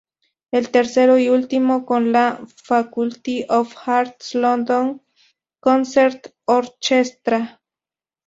El tercero y último, con la "Faculty of Arts London Concert Orchestra".